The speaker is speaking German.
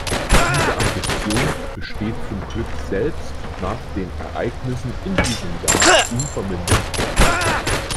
Diese Ambition besteht zum Glück selbst nach den Ereignissen in diesem Jahr unvermindert fort.